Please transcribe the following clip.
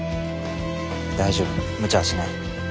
大丈夫むちゃはしない。